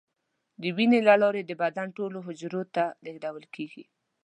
د وینې له لارې د بدن ټولو حجراتو ته لیږدول کېږي.